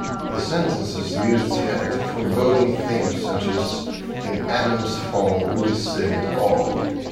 The sentences used had foreboding themes such as In Adams fall, we sinned all.